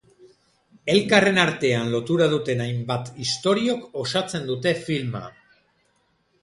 Elkarren artean lotura duten hainbat istoriok osatzen dute filma.